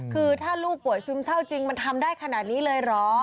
คือถ้าลูกป่วยซึมเศร้าจริงมันทำได้ขนาดนี้เลยเหรอ